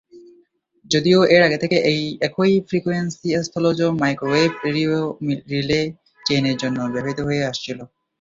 যদিও এর আগে থেকে একই ফ্রিকোয়েন্সি স্থলজ মাইক্রোওয়েভ রেডিও রিলে চেইনের জন্য ব্যবহৃত হয়ে আসছিল।